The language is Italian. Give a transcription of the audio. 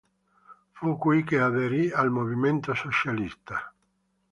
Fu qui che aderì al movimento socialista.